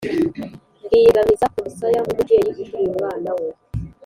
mbiyegamiza ku musaya nk’umubyeyi uteruye umwana we,